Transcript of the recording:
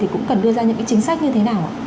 thì cũng cần đưa ra những cái chính sách này